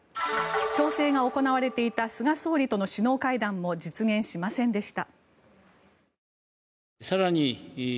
調整が行われていた菅総理との首脳会談も実現しませんでした。